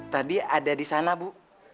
tadi ada di sana bu